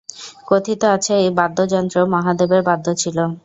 কথিত আছে, এই বাদ্যযন্ত্র মহাদেবের বাদ্য ছিল।